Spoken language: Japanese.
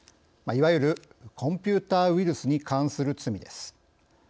いわゆるコンピューターウイルスに関する罪です。